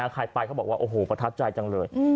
ใครไปเขาบอกว่าโอ้โหประทับใจจังเลย